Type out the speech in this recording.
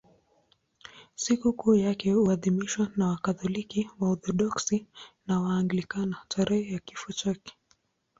Sikukuu yake huadhimishwa na Wakatoliki, Waorthodoksi na Waanglikana tarehe ya kifo chake.